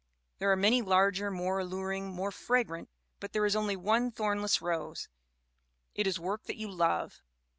There are many larger, more alluring, more fragrant, but there is only one thornless rose; it is work that you love."